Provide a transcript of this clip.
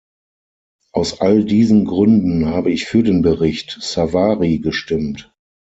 Aus all diesen Gründen habe ich für den Bericht Savary gestimmt.